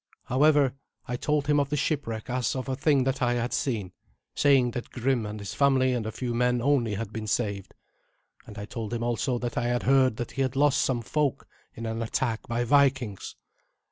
However, I told him of the shipwreck as of a thing that I had seen, saying that Grim and his family and a few men only had been saved; and I told him also that I had heard that he had lost some folk in an attack by Vikings.